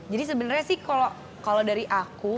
jadi sebenarnya sih kalau dari aku